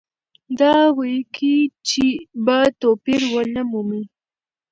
دا وییکې به توپیر ونه مومي.